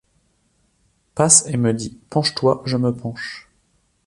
Passe et me dit : Penche-toi. Je me penche.